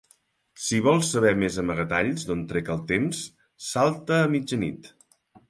Si vols saber més amagatalls d'on trec el temps, salta a mitjanit.